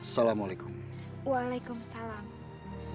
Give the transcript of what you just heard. hati hati dengan aku